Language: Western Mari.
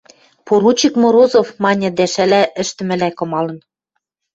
Поручик Морозов!.. – маньы дӓ шӓлӓ ӹштӹмӹлӓ кымалын.